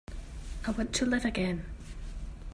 I want to live again.